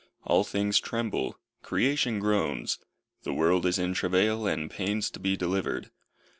All things tremble; creation groans; the world is in travail, and pains to be delivered.